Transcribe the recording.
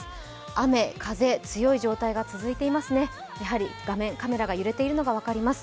雨、風強い状態が続いていますね、画面、カメラが揺れているのが分かります。